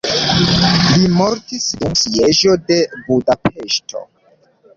Li mortis dum sieĝo de Budapeŝto.